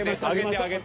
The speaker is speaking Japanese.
上げて。